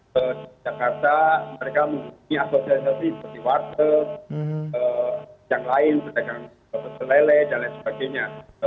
di jakarta mereka menggunakan organisasi seperti warteg yang lain pedagang lele dan lain sebagainya